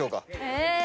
え！